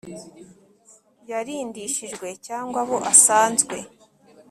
yarindishijwe cyangwa abo asanzwe